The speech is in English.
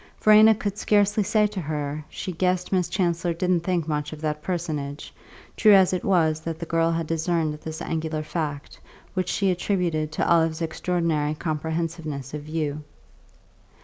Verena could scarcely say to her she guessed Miss Chancellor didn't think much of that personage, true as it was that the girl had discerned this angular fact, which she attributed to Olive's extraordinary comprehensiveness of view.